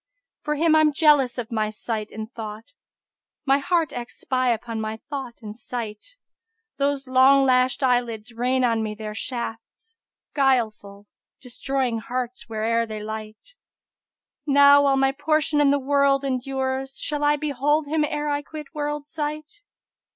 For him I'm jealous of my sight and thought; * My heart acts spy upon my thought and sight: Those long lashed eyelids rain on me their shafts * Guileful, destroying hearts where'er they light: Now, while my portion in the world endures, * Shall I behold him ere I quit world site?